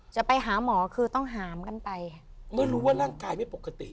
จะไปหาหมอคือต้องหามกันไปเมื่อรู้ว่าร่างกายไม่ปกติ